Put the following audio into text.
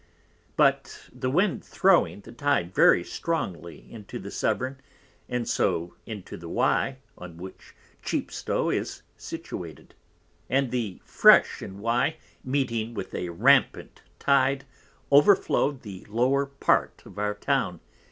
But the Wind throwing the Tyde very strongly into the Severn, and so into the Wye, on which Chepstow is situated. And the Fresh in Wye meeting with a Rampant Tyde, overflowed the lower part of our Town.